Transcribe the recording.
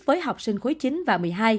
với học sinh khối chín và một mươi hai